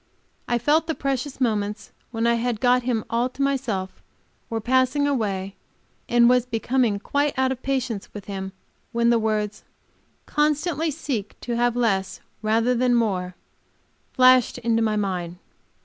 I felt the precious moments when I had got him all to myself were passing away, and was becoming quite out of patience with him when the words "Constantly seek to have less, rather than more," flashed into my mind.